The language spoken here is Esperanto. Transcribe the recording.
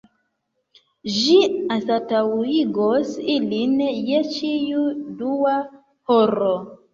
Ĝi anstataŭigos ilin je ĉiu dua horo.